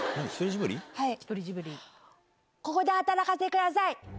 ここで働かせてください。